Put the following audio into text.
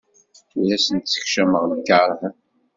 Ur asent-ssekcameɣ lkeṛh.